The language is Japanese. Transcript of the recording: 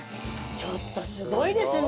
ちょっとすごいですね